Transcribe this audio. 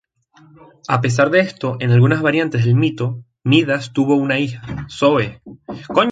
A pesar de esto, en algunas variantes del mito, Midas tuvo una hija, Zoë.